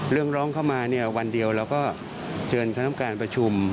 เรื่องร้องเข้ามาเนี่ยวันเดียวเราก็เชิญคณะการประชุม